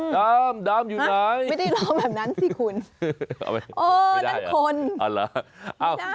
ดำอยู่ไหนไม่ได้รอแบบนั้นสิคุณเออนั่นคน